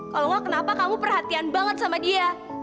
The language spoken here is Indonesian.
kalau enggak kenapa kamu perhatian banget sama dia